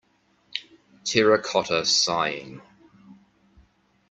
Terracotta Sighing